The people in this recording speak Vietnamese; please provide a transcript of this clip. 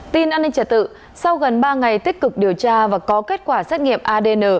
tin an ninh trả tự sau gần ba ngày tích cực điều tra và có kết quả xét nghiệm adn